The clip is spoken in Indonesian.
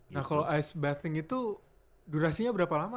nah kalau ice betting itu durasinya berapa lama